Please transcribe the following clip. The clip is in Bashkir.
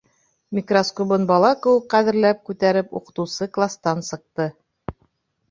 Микроскобын бала кеүек ҡәҙерләп күтәреп, уҡытыусы кластан сыҡты.